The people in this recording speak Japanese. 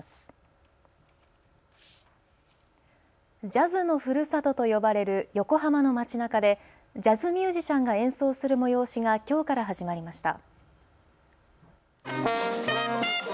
ジャズのふるさとと呼ばれる横浜の街なかでジャズミュージシャンが演奏する催しがきょうから始まりました。